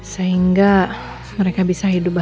sehingga mereka bisa hidup dengan baik